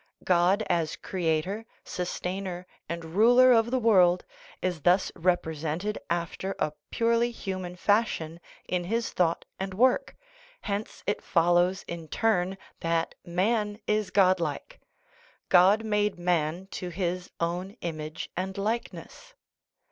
God, as creator, sustainer, and ruler of the world, is thus represented after a purely human fashion in his thought and work. Hence it follows, in turn, that man is godlike. * God made man to His own image and likeness.